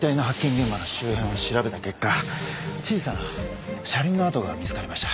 現場の周辺を調べた結果小さな車輪の跡が見つかりました。